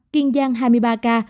kiên giang hai mươi ba ca